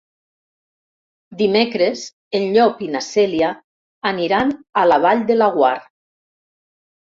Dimecres en Llop i na Cèlia aniran a la Vall de Laguar.